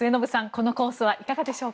このコースはいかがでしょう？